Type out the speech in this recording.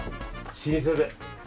老舗で。